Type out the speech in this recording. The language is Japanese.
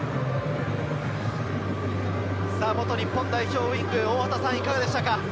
元日本代表ウイング・大畑さん、いかがですか？